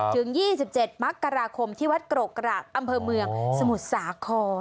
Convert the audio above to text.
ถึง๒๗มกราคมที่วัดกรกกรากอำเภอเมืองสมุทรสาคร